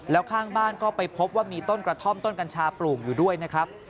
แล้วข้างบ้านก็ไปพบว่ามีต้นกระท่อมต้นกัญชาปลูกอยู่ด้วยนะครับ